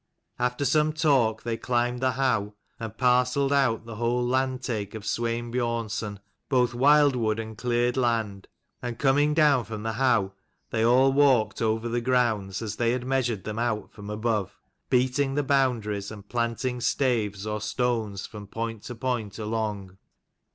After some talk, they climbed the howe and parcelled out the whole landtake of Swein Biornson, both wild wood and cleared land : and coming down from the howe they all walked over the grounds as they had measured them out from above, beating the boundaries, and planting staves or stones from point to point along.